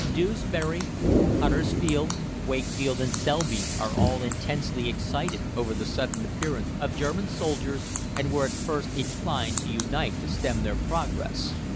"Dewsbury, Huddersfield, Wakefield, and Selby are all intensely excited over the sudden appearance of German soldiers, and were at first inclined to unite to stem their progress.